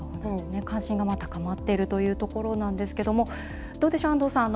関心が高まっているというところなんですけどもどうでしょう、安藤さん。